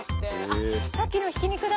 あっさっきのひき肉だ！